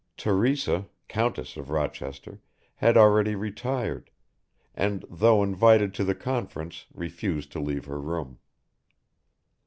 Teresa, Countess of Rochester, had already retired, and, though invited to the conference, refused to leave her room.